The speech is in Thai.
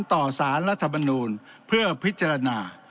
ต่อสารรัฐมนูลเพื่อพิจารณา